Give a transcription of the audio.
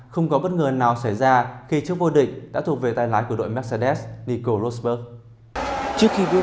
không có bất ngờ nào xảy ra khi chiếc vô địch đã thuộc về tay lái của đội mercedes nico rosburg